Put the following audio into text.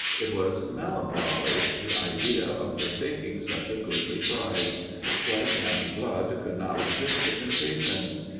It was melancholy the idea of forsaking such a goodly prize. Flesh and blood could not resist the temptation.